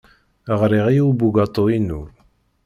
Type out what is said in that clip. Ɣriɣ i ubugaṭu-inu.